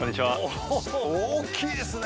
おー大きいですね！